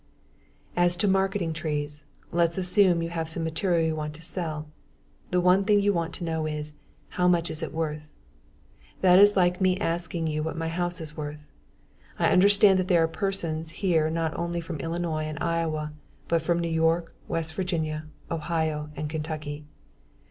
As to marketing trees, let's assume you have some material you want to sell. The one thing you want to know is, "how much is it worth?" That is like me asking you what my house is worth. I understand there are persons here not only from Illinois and Iowa, but from New York, West Virginia, Ohio, and Kentucky.